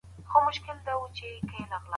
د پښتو د ودې لپاره باید جدي ګامونه واخیستل سي.